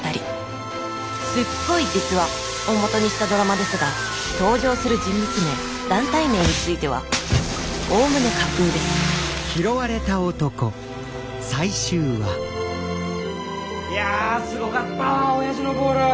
すっごい実話！をもとにしたドラマですが登場する人物名団体名についてはおおむね架空ですいやすごかったわおやじのボール。